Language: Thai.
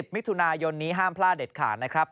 ๗๑๐มิถุนายนห้ามพลาดเด็ดขาด